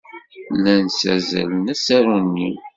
Llan ssazzalen asaru-nni.